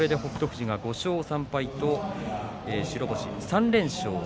富士が５勝３敗と白星、３連勝。